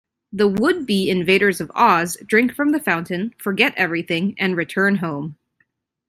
The would-be invaders of Oz drink from the fountain, forget everything, and return home.